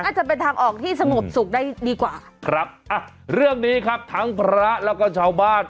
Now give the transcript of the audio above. จะเป็นทางออกที่สงบสุขได้ดีกว่าครับอ่ะเรื่องนี้ครับทั้งพระแล้วก็ชาวบ้าน